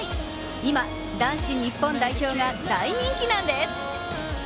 今、男子日本代表が大人気なんです。